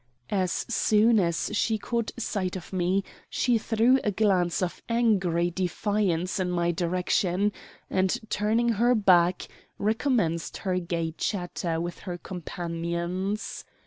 As soon as she caught sight of me she threw a glance of angry defiance in my direction, and, turning her back, recommenced her gay chatter with her companions.